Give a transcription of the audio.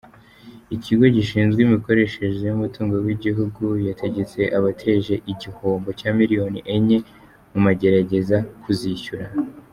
Ikigo gishinzwe imikoreshereze yumutungo wigihugu yategetse abateje igihombo cya miliyoni enye mumagereza kuzishyura